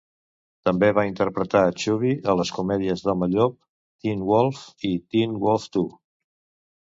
També va interpretar Chubby a les comèdies d'home llop "Teen Wolf" i "Teen Wolf Too".